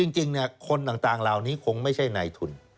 จริงคนต่างเหล่านี้คงไม่ใช่นายทุน